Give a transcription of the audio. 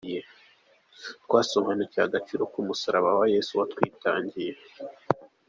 Twasobanuriwe agaciro k’umusaraba wa Yesu watwitangiye.